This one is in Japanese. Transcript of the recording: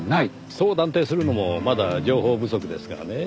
そう断定するのもまだ情報不足ですがねぇ。